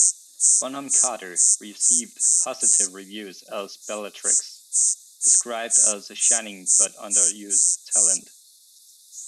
Bonham Carter received positive reviews as Bellatrix, described as a "shining but underused talent".